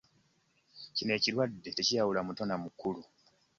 Kino ekirwade tekiyawula muto na mukulu.